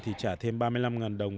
thì trả thêm ba mươi năm đồng